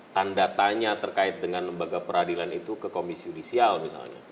tanda tanya terkait dengan lembaga peradilan itu ke komisi yudisial misalnya